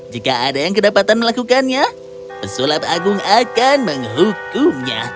jika ada yang kedapatan melakukannya pesulap agung akan menghukumnya